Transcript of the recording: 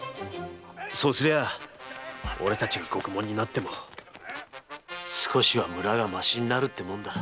そうすりゃ俺たちが獄門になっても少しは村がましになるってもんだ。